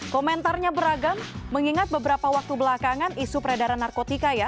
komentarnya beragam mengingat beberapa waktu belakangan isu peredaran narkotika ya